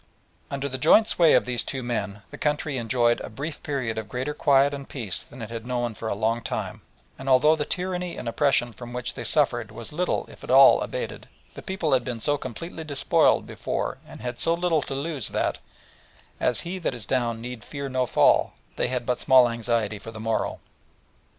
Under the joint sway of these two men the country enjoyed a brief period of greater quiet and peace than it had known for a long time, and although the tyranny and oppression from which they suffered was little if at all abated, the people had been so completely despoiled before and had so little to lose that, as "He that is down need fear no fall," they had but small anxiety for the morrow.